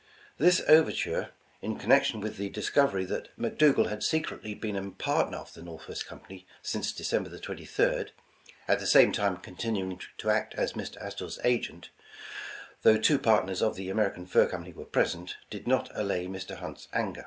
This over ture, in connection with the discovery that McDougal had secretly been a partner of the Northwest Company since December 23rd, at the same time continuing to act as Mr. Astor 's agent, though two partners of the American Fur Company were present, did not allay Mr. Hunt's anger.